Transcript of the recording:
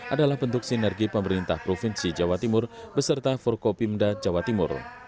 adalah bentuk sinergi pemerintah provinsi jawa timur beserta forkopimda jawa timur